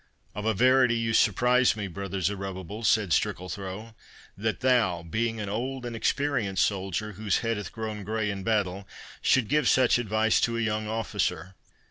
"Of a verity you surprise me, brother Zerubbabel," said Strickalthrow; "that thou, being an old and experienced soldier, whose head hath grown grey in battle, shouldst give such advice to a young officer.